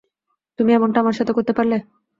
তুমি এমনটা আমার সাথে করতে পারলে?